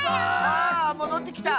あもどってきた。